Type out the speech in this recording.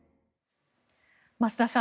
増田さん